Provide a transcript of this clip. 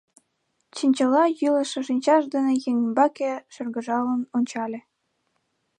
чинчыла йӱлышӧ шинчаж дене еҥ ӱмбаке шыргыжалын ончале.